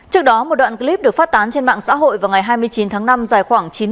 trước đó một đoạn clip được phát tán trên mạng xã hội vào ngày hai mươi chín tháng năm dài khoảng chín mươi giây